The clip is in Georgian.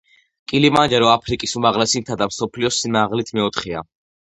კილიმანჯარო აფრიკის უმაღლესი მთა და მსოფლიოს სიმაღლით მეოთხეა.